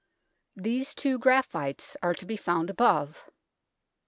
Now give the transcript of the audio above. These two graphites are to be found above.